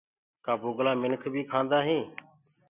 ڪآ بُگلآ منک بي کآندآ هين؟